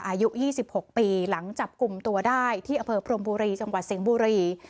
อายุ๒๖ปีหลังจับกลุ่มตัวได้ที่อำเภอพรมบุรีจังหวัดสิงห์บุรี